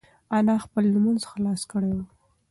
انا خپل لمونځ خلاص کړی و.